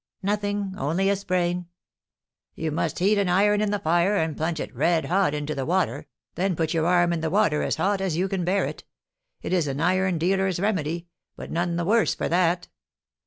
"Nothing, only a sprain." "You must heat an iron in the fire, and plunge it red hot into the water, then put your arm in the water as hot as you can bear it. It is an iron dealer's remedy, but none the worse for that."